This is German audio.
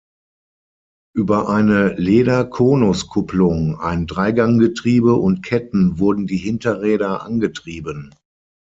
Über eine Lederkonuskupplung, ein Dreiganggetriebe und Ketten wurden die Hinterräder angetrieben.